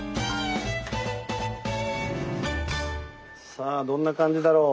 さあどんな感じだろう？